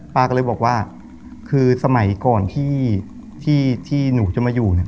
ป้าก็เลยบอกว่าคือสมัยก่อนที่ที่หนูจะมาอยู่เนี่ย